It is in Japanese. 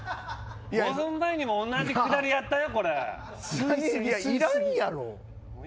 ５分前にも同じくだりやったよ。